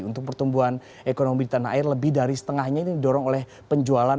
untuk pertumbuhan ekonomi di tanah air lebih dari setengahnya ini didorong oleh penjualan